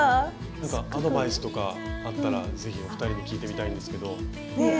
なんかアドバイスとかあったらぜひお二人に聞いてみたいんですけど。